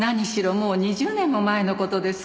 もう２０年も前の事ですから。